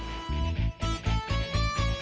aku mau ke rumah